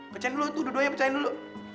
pecahin dulu dua duanya pecahin dulu